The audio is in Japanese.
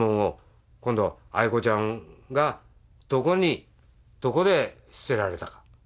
今度アイコちゃんがどこにどこで捨てられたか。